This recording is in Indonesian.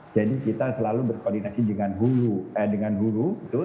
jadi kita selalu berkoordinasi dengan hulu